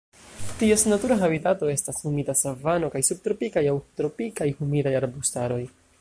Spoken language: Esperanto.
Ties natura habitato estas humida savano kaj subtropikaj aŭ tropikaj humidaj arbustaroj.